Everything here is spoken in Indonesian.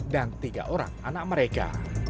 dan tiga orang anak mereka